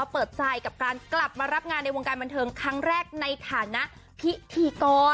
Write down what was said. เปิดใจกับการกลับมารับงานในวงการบันเทิงครั้งแรกในฐานะพิธีกร